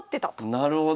なるほど。